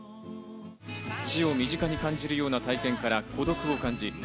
死を身近に感じるような体験から孤独を感じ